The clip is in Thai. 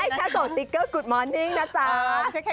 ไม่ใช่แค่โต๊ะติ๊กเกอร์กู๊ดมอนดิ้งนะจ๊ะ